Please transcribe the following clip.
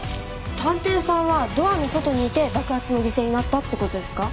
探偵さんはドアの外にいて爆発の犠牲になったって事ですか？